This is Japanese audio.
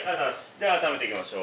では改めていきましょう。